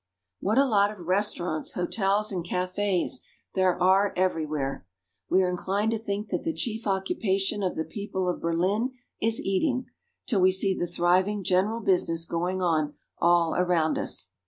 Beer Garden. What a lot of restaurants, hotels, and cafds there are everywhere. We are inclined to think that the chief occu pation of the people of Berlin is eating, till we see the thriving general business going on all around us.